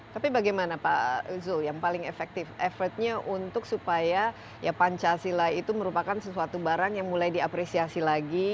tapi bagaimana pak zul yang paling efektif effortnya untuk supaya pancasila itu merupakan sesuatu barang yang mulai diapresiasi lagi